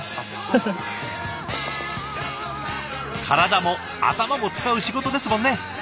体も頭も使う仕事ですもんね。